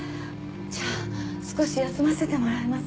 じゃあ少し休ませてもらいます